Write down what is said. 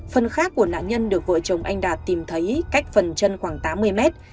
phần khác của nạn nhân được vợ chồng anh đạt tìm thấy cách phần chân khoảng tám mươi mét